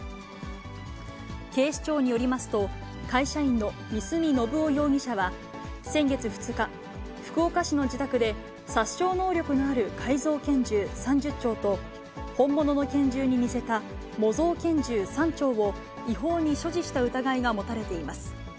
警視庁によりますと、会社員の三角信夫容疑者は先月２日、福岡市の自宅で、殺傷能力のある改造拳銃３０丁と、本物の拳銃に似せた模造拳銃３丁を、違法に所持した疑いが持たれています。